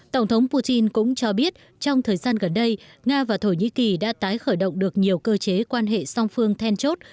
tổng thống putin cũng cho biết trong thời gian gần đây nga và thổ nhĩ kỳ đã tái khởi động được nhiều cơ chế quan hệ song phương then chốt